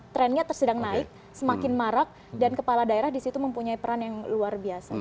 trendnya tersedang naik semakin marak dan kepala daerah disitu mempunyai peran yang luar biasa